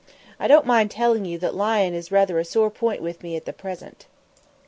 I don't mind telling you that lion is rather a sore point with me at present."